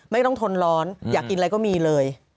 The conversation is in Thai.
ไม่ต้องทนร้อนอยากกินอะไรก็มีเลย